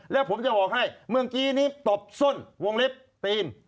แล้วผมจะบอกให้เมื่อกี้นี้ตบส้นวงเล็บตีน